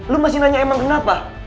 lo masih nanya emang kenapa